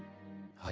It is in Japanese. はい。